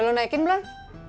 udah lu naikin belah